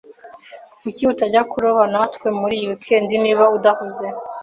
Kuki utajya kuroba natwe muri iyi weekend niba udahuze?